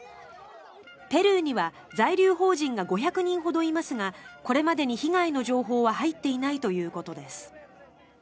ペルーには在留邦人が５００人ほどいますがこれまでに被害の情報は入っていないということです。